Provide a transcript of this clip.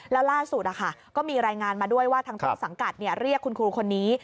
แล้วล่าสุดก็มีรายงานมาด้วยว่าทางต้นสังกัดเรียกคุณครูคนนี้